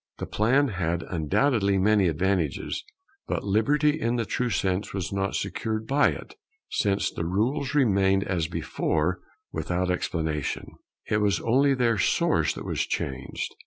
The plan had undoubtedly many advantages; but liberty in the true sense was not secured by it, since the rules remained as before without explanation; it was only their source that was changed.